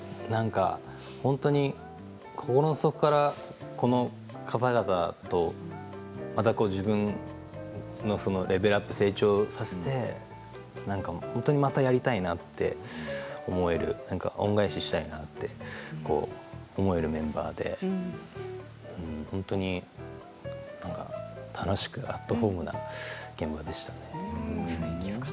本当に心の底からこの方々とまた自分のレベルアップ成長させて本当にまたやりたいなと思える恩返ししたいなって思えるメンバーでうん、本当に楽しく、アットホームな現場でしたね。